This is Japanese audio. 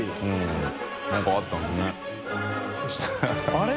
あれ？